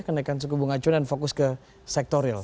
kenaikan suku bunga acuan dan fokus ke sektor real